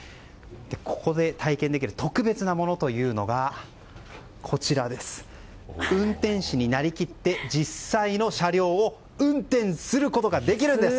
ここで体験できる特別なものが運転士になりきって実際の車を運転することができるんです！